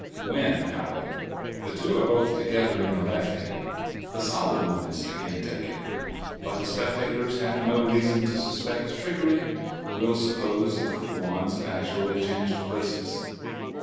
When, however, the two are both together in the left hand the solid one is again taken, but the spectators, having no reason to suspect trickery, will suppose that the wands have actually changed places.